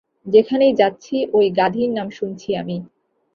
যেখানেই যাচ্ছি, ঐ গাধীর নাম শুনছি আমি!